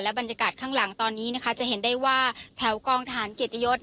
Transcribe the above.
บรรยากาศข้างหลังตอนนี้นะคะจะเห็นได้ว่าแถวกองทหารเกียรติยศ